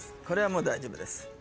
これは大丈夫です。